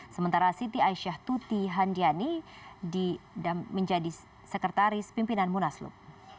sementara siti aisyah tuti handiani menjadi sekretaris pimpinan munaslup